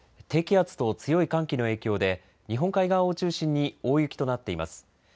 低気圧と強い寒気の影響で日本海側を中心に大雪となっています。